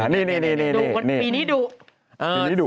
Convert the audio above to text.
นี่ปีนี้ดุ